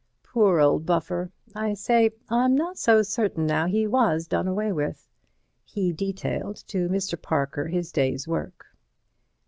"Poor old buffer. I say, I m not so certain now he was done away with." He detailed to Mr. Parker his day's work.